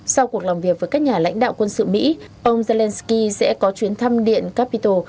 sau cuộc làm việc với các nhà lãnh đạo quân sự mỹ ông zelensky sẽ có chuyến thăm điện capito